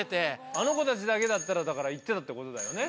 あの子たちだけだったらだからいってたってことだよね。